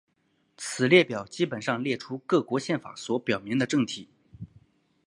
此列表基本上列出各国宪法所表明的政体。